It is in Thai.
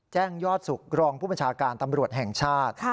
แจ้งยอดสุขรองผู้บัญชาการตำรวจแห่งชาติ